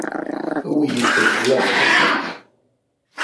Uwyent-d ḍḍlaba d tameqrant.